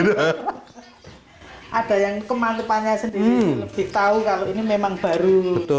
ada yang kemantepannya sendiri lebih tahu kalau ini memang baru